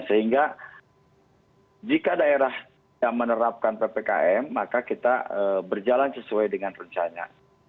sehingga jika daerah yang menerapkan ppkm maka kita berjalan sesuai dengan rencana